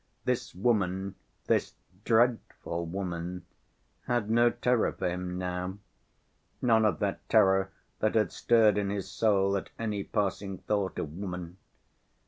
This woman, this "dreadful" woman, had no terror for him now, none of that terror that had stirred in his soul at any passing thought of woman.